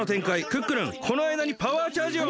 クックルンこのあいだにパワーチャージを！